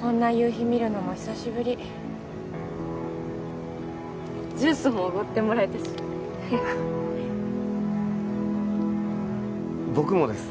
こんな夕日見るのも久しぶりジュースもおごってもらえたし僕もです